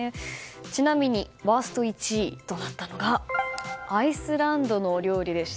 ちなみにワースト１位となったのがアイスランドのお料理でした。